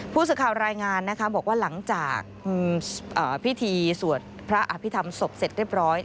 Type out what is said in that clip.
ผู้สื่อข่าวรายงานนะคะบอกว่าหลังจากพิธีสวดพระอภิษฐรรมศพเสร็จเรียบร้อย